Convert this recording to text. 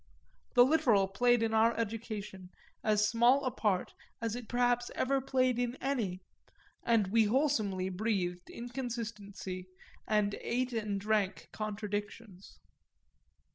The literal played in our education as small a part as it perhaps ever played in any, and we wholesomely breathed inconsistency and ate and drank contradictions.